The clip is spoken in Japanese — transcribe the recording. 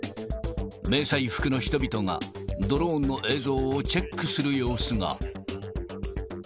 迷彩服の人々がドローンの映像をチェックする様子が。